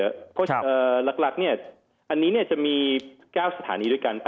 เพราะฉะนั้นหลักเนี่ยอันนี้เนี่ยจะมี๙สถานีด้วยกัน